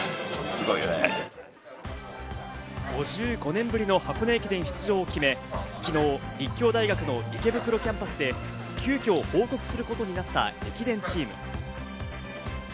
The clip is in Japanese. ５５年ぶりの箱根駅伝出場は決め、昨日、立教大学の池袋キャンパスで急きょ報告することになった駅伝チーム。